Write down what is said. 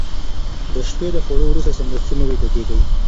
د شپې له خوړو وروسته سمدستي مه ويده کېږه